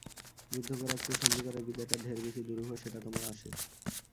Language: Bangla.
যুদ্ধ করার চেয়ে সন্ধি করার বিদ্যেটা ঢের বেশি দুরূহ– সেটা তোমার আসে।